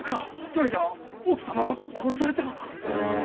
それじゃ奥様は殺された！？